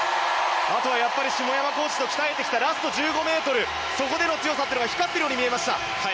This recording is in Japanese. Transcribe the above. あとは下山コーチと鍛えてきたラスト１５ｍ、そこでの強さが光っているように見えました。